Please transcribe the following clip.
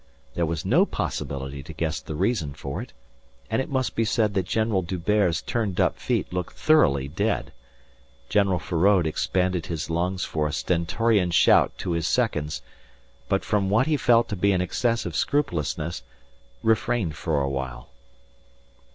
There was no possibility to guess the reason for it. And it must be said that General D'Hubert's turned up feet looked thoroughly dead. General Feraud expanded his lungs for a stentorian shout to his seconds, but from what he felt to be an excessive scrupulousness, refrained for a while.